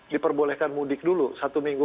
diperbolehkan mudik dulu satu minggu